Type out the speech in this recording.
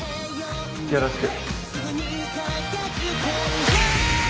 よろしく。